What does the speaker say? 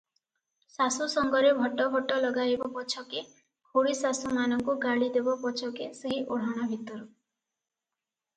ଶାଶୁ ସାଙ୍ଗରେ ଭଟ ଭଟ ଲଗାଇବ ପଛକେ, ଖୁଡ଼ୀଶାଶୁମାନଙ୍କୁ ଗାଳିଦେବ ପଛକେ ସେହି ଓଢ଼ଣା ଭିତରୁ ।